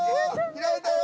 開いたよ。